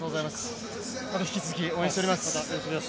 引き続き応援しております。